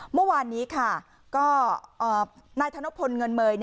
เมื่อวานนี้ค่ะก็นายธนพลเงินเมย